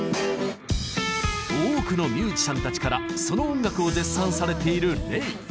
多くのミュージシャンたちからその音楽を絶賛されているＲｅｉ。